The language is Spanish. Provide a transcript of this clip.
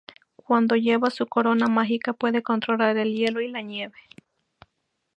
Cuando lleva su corona mágica, puede controlar el hielo y la nieve.